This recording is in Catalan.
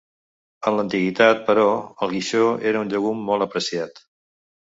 En l'antiguitat, però, el guixó era un llegum molt apreciat.